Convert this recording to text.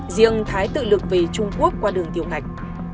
riêng thái tự lực về trung quốc qua đường tiểu ngạch